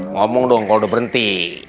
ngomong dong kalau udah berhenti